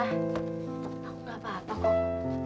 aku nggak apa apa kok